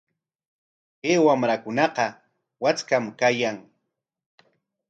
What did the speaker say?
Kay wamrakunaqa wakcham kayan.